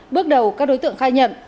bước đầu các đối tượng khai nhận